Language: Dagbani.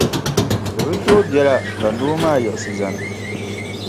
Di bi tooi biɛla ka noo maa yiɣisi zani.